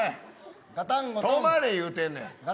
止まれ言うてんねん。